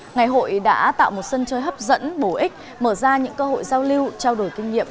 ngày hội đã tạo một sân chơi hấp dẫn bổ ích mở ra những cơ hội giao lưu trao đổi kinh nghiệm